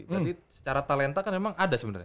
berarti secara talenta kan memang ada sebenarnya